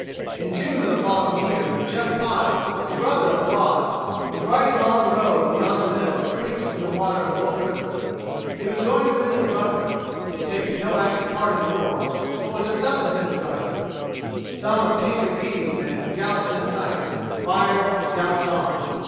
In June of the following year, Jeff Pile, a brother of "Rod," was riding along the road beyond the mill that creaks in the waters of Wolf River. He was going to visit a brother. He had taken no active part in the war, but was a Southern sympathizer. Some of "Tinker" Beaty's men galloped into sight, fired, galloped on.